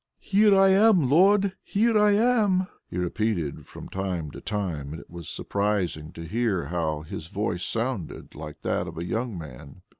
"Here I am, Lord, here I am!" he repeated from time to time, and it was surprising to hear how his voice sounded like that of a young man.